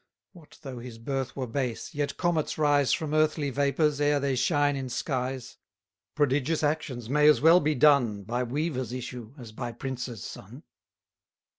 What though his birth were base, yet comets rise From earthly vapours, ere they shine in skies. Prodigious actions may as well be done By weaver's issue, as by prince's son.